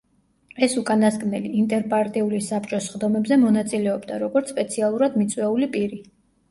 ეს უკანასკნელი, ინტერპარტიული საბჭოს სხდომებზე მონაწილეობდა, როგორც სპეციალურად მიწვეული პირი.